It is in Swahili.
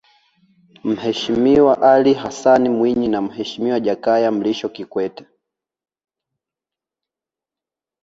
Mheshimiwa Alli Hassani Mwinyi na Mheshimiwa Jakaya Mrisho Kikwete